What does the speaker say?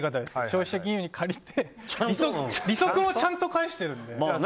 消費者金融に借りて利息をちゃんと返してるので。